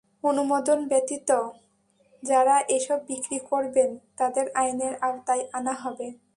অনুমোদন ব্যতীত যাঁরা এসব বিক্রি করবেন, তাঁদের আইনের আওতায় আনা হবে।